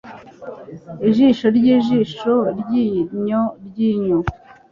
Ijisho ryijisho, iryinyo ryinyo